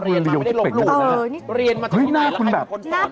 เป็นฤษีอยู่บนของท่านศรีมันเขามันขึ้นบนเคราะห์